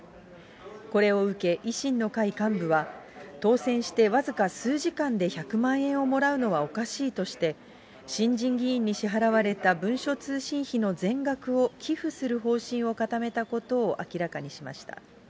これを受け、維新の会幹部は、当選して僅か数時間で１００万円をもらうのはおかしいとして、新人議員に支払われた文書通信費の全額を寄付する方針を固めたことを明らかにしました。